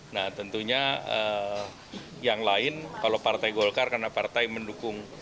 nah tentunya yang lain kalau partai golkar karena partai mendukung